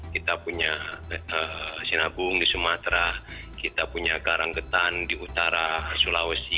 kita punya sinabung di sumatera kita punya karanggetan di utara sulawesi